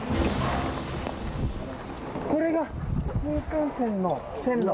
これが新幹線の線路！